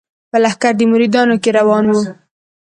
په لښکر د مریدانو کي روان وو